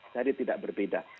jadi tidak berbeda